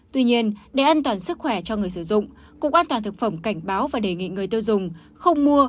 tuy nhiên để an toàn sức khỏe cho người sử dụng cục an toàn thực phẩm cảnh báo và đề nghị người tiêu dùng không mua